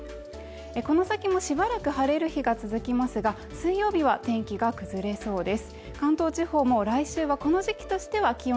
この先もしばらく晴れる日が続きますが水曜日以降は天気が崩れそうです